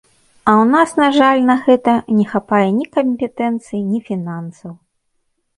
А ў нас, на жаль, на гэта не хапае ні кампетэнцыі, ні фінансаў.